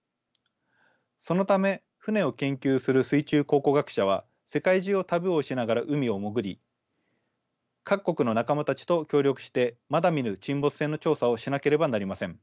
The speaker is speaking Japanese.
そのため船を研究する水中考古学者は世界中を旅をしながら海を潜り各国の仲間たちと協力してまだ見ぬ沈没船の調査をしなければなりません。